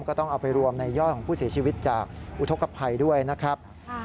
ก็ต้องเอาไปรวมในยอดของผู้เสียชีวิตจากอุทธกภัยด้วยนะครับ